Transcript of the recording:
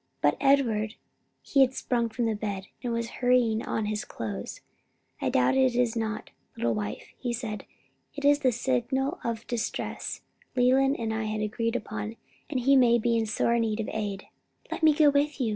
But Edward " He had sprung from the bed and was hurrying on his clothes. "I doubt if it is not, little wife," he said. "It is the signal of distress Leland and I had agreed upon, and he may be in sore need of aid." "Let me go with you!"